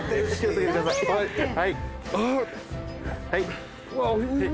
はい。